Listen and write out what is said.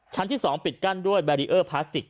ที่๒ปิดกั้นด้วยแบรีเออร์พลาสติก